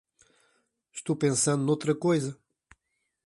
estou pensando noutra coisa